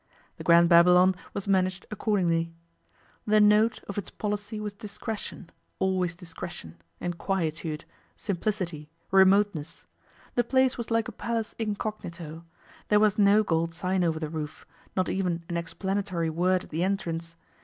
The Grand Babylon was managed accordingly. The 'note' of its policy was discretion, always discretion, and quietude, simplicity, remoteness. The place was like a palace incognito. There was no gold sign over the roof, not even an explanatory word at the entrance.